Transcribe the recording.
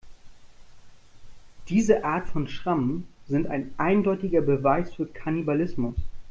Diese Art von Schrammen sind ein eindeutiger Beweis für Kannibalismus.